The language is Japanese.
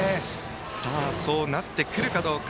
さあそうなってくるかどうか。